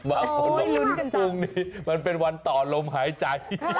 มาพรุ่งนี้มันเป็นวันต่อลมหายใจ